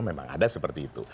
memang ada seperti itu